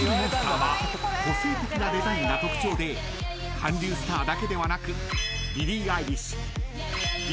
［韓流スターだけではなく］